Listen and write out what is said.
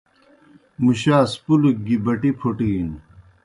مُشاس پُلگ گیْ بٹِی پھوٹِینوْ۔